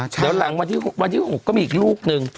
เดี๋ยวหลังวันที่๖ก็มีอีกลูกนึง